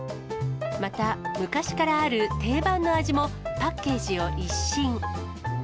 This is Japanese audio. また、昔からある定番の味も、パッケージを一新。